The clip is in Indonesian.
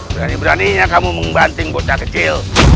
berani beraninya kamu membanting bocah kecil